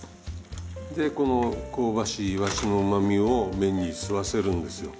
でこの香ばしいイワシのうまみを麺に吸わせるんですよ。